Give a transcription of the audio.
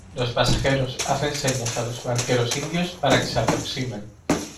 los pasajeros hacen señas a los barqueros indios para que se aproximen: